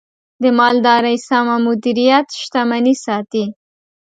د مالدارۍ سمه مدیریت، شتمني ساتي.